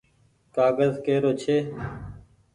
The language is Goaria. ڪآگز ڪي رو ڇي۔